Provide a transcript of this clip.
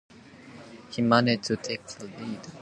He managed to take the lead by placing a solid performance.